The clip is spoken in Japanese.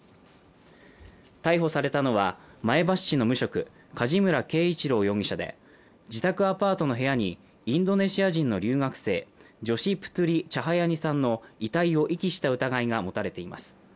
逮捕されたのは前橋市の無職、梶村圭一郎容疑者で自宅アパートの部屋にインドネシア人の留学生ジョシ・プトゥリ・チャハヤニさんの遺体を遺棄した疑いが持たれています。